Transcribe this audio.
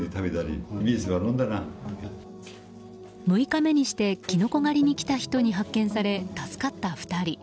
６日目にしてキノコ狩りに来た人に発見され助かった２人。